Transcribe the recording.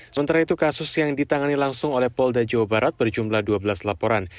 sementara itu kasus yang ditangani langsung oleh polda jawa barat berjumlah dua belas laporan